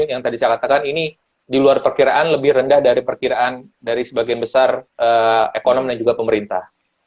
yang tadi saya katakan ini di luar perkiraan lebih rendah dari perkiraan dari sebagian besar ekonom dan juga pemerintah